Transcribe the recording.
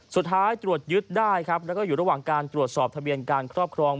ตรวจยึดได้ครับแล้วก็อยู่ระหว่างการตรวจสอบทะเบียนการครอบครอง